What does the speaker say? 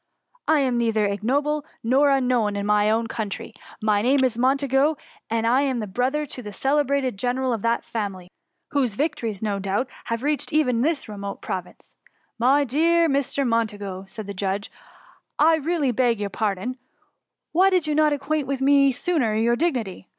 I am neither ignoble, nor unknown in my own country, — ^my name is Montagu, and I am bro^ ther to the celebrated general of that family,— whose victories, no doublnhave reached even this remote province r W '^ My dear Mr. Montagu ^ said the judge, '^ I really beg your pardon : why did you not acquaint me sooner with your dignity